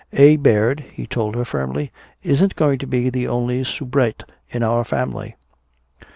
"A. Baird," he told her firmly, "isn't going to be the only soubrette in this family."